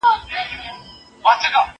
زه به سبا د ښوونځی لپاره امادګي نيسم وم!؟